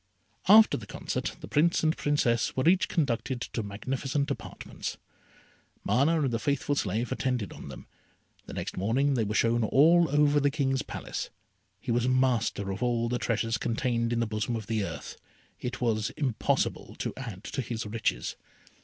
After the concert the Prince and Princess were each conducted to magnificent apartments. Mana and the faithful slave attended on them. The next morning they were shown all over the King's Palace. He was master of all the treasures contained in the bosom of the earth. It was impossible to add to his riches.